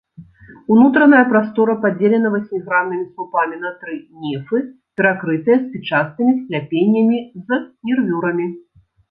Унутраная прастора падзелена васьміграннымі слупамі на тры нефы, перакрытыя спічастымі скляпеннямі з нервюрамі.